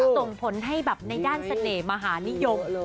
ส่งผลให้แบบในด้านเสน่ห์มหานิยม